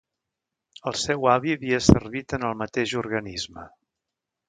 El seu avi havia servit en el mateix organisme.